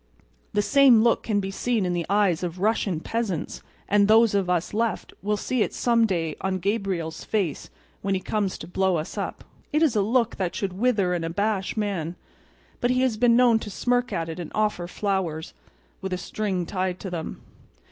The same look can be seen in the eyes of Russian peasants; and those of us left will see it some day on Gabriel's face when he comes to blow us up. It is a look that should wither and abash man; but he has been known to smirk at it and offer flowers—with a string tied to them.